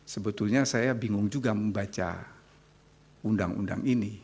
sebetulnya saya bingung juga membaca undang undang ini